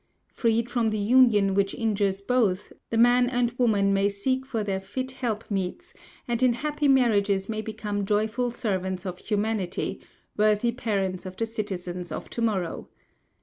Freed from the union which injures both, the man and woman may seek for their fit helpmeets, and in happy marriages may become joyful servants of humanity, worthy parents of the citizens of to morrow.